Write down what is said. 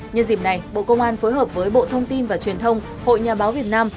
nhân dịp này bộ công an phối hợp với bộ thông tin và truyền thông hội nhà báo việt nam